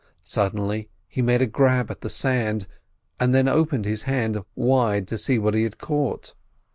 Suddenly he made a grab at the sand, and then opened his hand wide to see what he had caught.